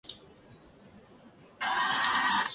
没有证据证明该病和红斑狼疮有关。